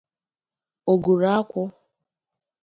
oguru akwụ